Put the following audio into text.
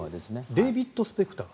デービッド・スペクター？